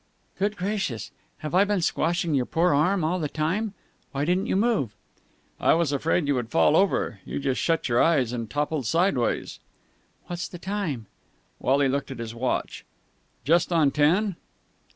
"Good gracious! Have I been squashing your poor arm all the time? Why didn't you move?" "I was afraid you would fall over. You just shut your eyes and toppled sideways." "What's the time?" Wally looked at his watch. "Just on ten."